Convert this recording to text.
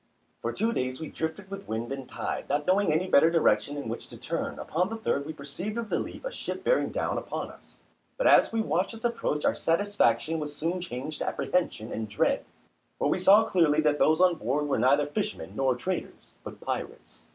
For two days we drifted with wind and tide, not knowing any better direction in which to turn; upon the third we perceived with relief a ship bearing down upon us, but as we watched its approach our satisfaction was soon changed to apprehension and dread, for we saw clearly that those on board were neither fishermen nor traders, but pirates.